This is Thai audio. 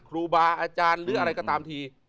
ครูบาอาจารย์หรืออะไรก็ตามที